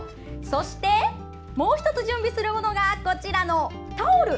そして、もう１つ準備するものがこちらのタオル。